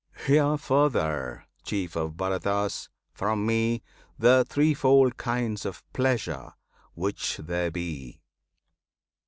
Hear further, Chief of Bharatas! from Me The threefold kinds of Pleasure which there be.